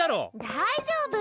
大丈夫。